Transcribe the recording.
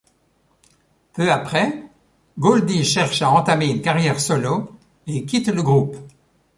Peu après, Goldy, cherche à entamer une carrière solo et quitte le groupe.